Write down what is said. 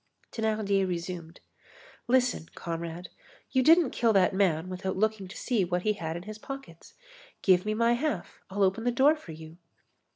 Thénardier resumed: "Listen, comrade. You didn't kill that man without looking to see what he had in his pockets. Give me my half. I'll open the door for you."